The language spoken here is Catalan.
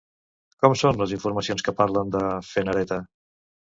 Com són les informacions que parlen de Fenàreta?